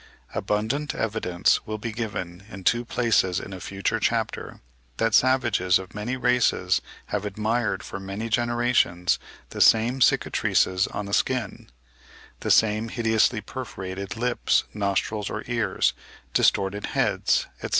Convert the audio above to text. Abundant evidence will be given in two places in a future chapter, that savages of many races have admired for many generations the same cicatrices on the skin, the same hideously perforated lips, nostrils, or ears, distorted heads, etc.